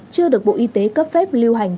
chưa được bộ y tế cấp phép lưu hành